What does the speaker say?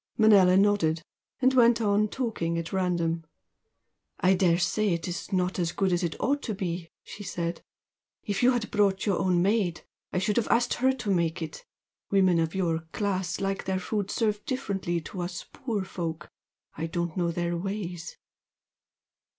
Manella nodded, and went on talking at random. "I daresay it's not as good as it ought to be" she said "If you had brought your own maid I should have asked HER to make it. Women of your class like their food served differently to us poor folk, and I don't know their ways."